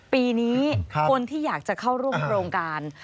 ปีนี้คนที่อยากจะเข้าร่วมโครงการ